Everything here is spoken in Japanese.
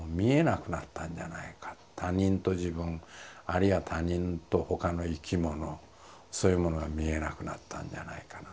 他人と自分あるいは他人と他の生き物そういうものが見えなくなったんじゃないかなと。